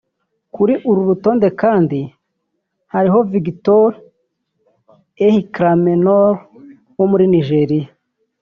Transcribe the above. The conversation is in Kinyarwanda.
Kuri uru rutonde kandi hari Victor Ehikhamenor wo muri Nigeria